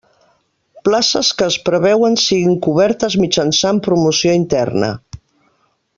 Places que es preveuen siguin cobertes mitjançant promoció interna.